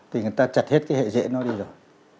thì người ta chặt hết cái hệ rễ nó đi rồi